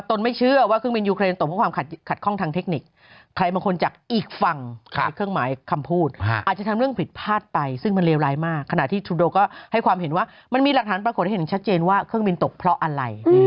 ทรูโด่ก็ให้ความเห็นว่ามันมีหลักฐานปรากฏให้เห็นชัดเจนว่าเครื่องบินตกเพราะอะไร